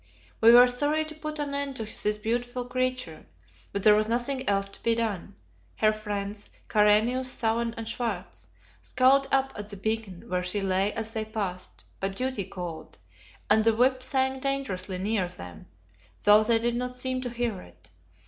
We were sorry to put an end to this beautiful creature, but there was nothing else to be done. Her friends Karenius, Sauen, and Schwartz scowled up at the beacon where she lay as they passed, but duty called, and the whip sang dangerously near them, though they did not seem to hear it.